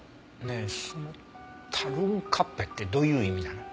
ねえそのタルンカッペってどういう意味なの？